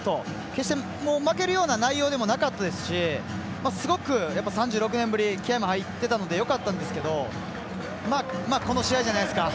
決して負けるような内容でもなかったですしすごく３６年ぶり気合いも入っていたのでよかったんですけどこの試合じゃないですか。